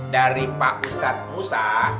dari pak ustaz musa